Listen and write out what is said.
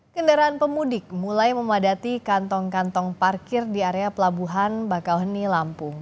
kendaraan pemudik mulai memadati kantong kantong parkir di area pelabuhan bakauheni lampung